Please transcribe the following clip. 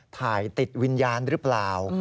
ถ่ายติดวิญญาณหรือเปล่า